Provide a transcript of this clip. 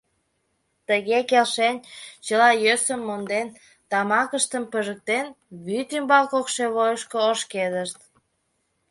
Тыге келшен, чыла йӧсым монден, тамакыштым пижыктен, вӱд ӱмбал кошевойышко ошкедышт.